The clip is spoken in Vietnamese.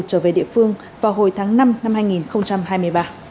trở về địa phương vào hồi tháng năm năm hai nghìn hai mươi ba